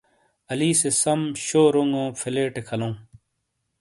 علی سے سَم شو رونگو فیلیٹے کھالَوں۔